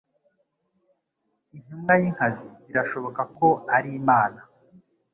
intumwa y’inkazi birashoboka ko ari Imana